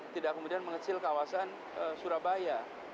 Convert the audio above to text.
tidak kemudian mengecil kawasan surabaya